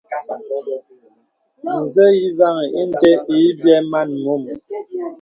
Nzə̄ ǐ vaŋì inde ǐ byɛ̌ man mom.